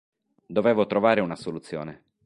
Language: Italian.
Dovevo trovare una soluzione.